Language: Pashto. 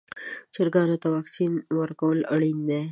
چرګانو ته واکسین ورکول اړین دي.